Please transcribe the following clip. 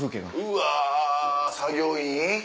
うわ作業員？